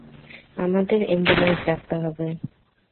আমাদের এম্বুলেন্স ডাকতে হবে।